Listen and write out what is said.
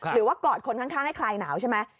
กอดคนข้างให้คลายหนาวใช่ไหม